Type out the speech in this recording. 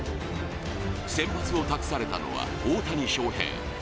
先発を託されたのは大谷翔平。